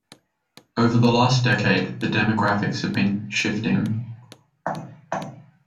Over the last decade, the demographics have been shifting.